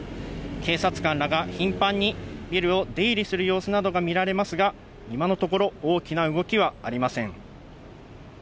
警察官らが頻繁にビルを出入りする様子などが見られますが、今のところ大きな動きはありません。